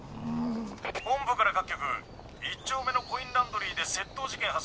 本部から各局１丁目のコインランドリーで窃盗事件発生。